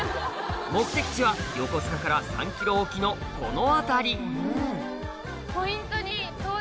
目的地は横須賀から３ｋｍ沖のこの辺りお！